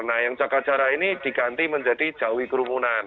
nah yang jaga acara ini diganti menjadi jawi kerumunan